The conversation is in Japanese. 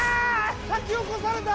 先を越された！